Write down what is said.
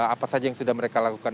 apa saja yang sudah mereka lakukan